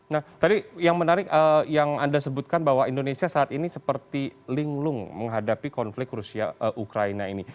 nah tadi yang menarik yang anda sebutkan bahwa indonesia saat ini seperti linglung menghadapi konflik rusia ukraina ini